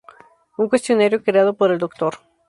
Un cuestionario creado por el Dr.